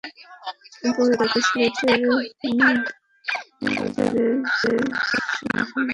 পরে তাঁকে সিলেটের বিয়ানীবাজারের সুতারকান্দি ইমিগ্রেশনের মাধ্যমে হস্তান্তরের প্রক্রিয়া শুরু হয়।